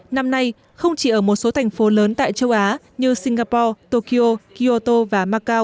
năm nay không chỉ ở một số thành phố lớn tại châu á như singapore tokyo kiyoto và macau